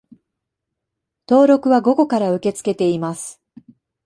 登録は午後から受け付けています